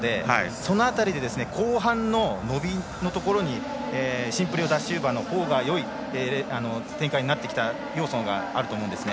その辺りで後半の伸びのところにシンプリシオダシウバのほうがよい展開になってきた要素があると思うんですね。